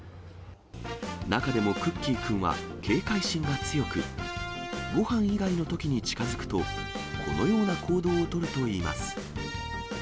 中でもクッキーくんは、警戒心が強く、ごはん以外のときに近づくと、このような行動を取るといいます。